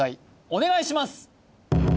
お願いします